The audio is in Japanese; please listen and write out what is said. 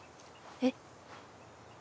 えっ！